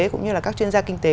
cũng như là các chuyên gia kinh tế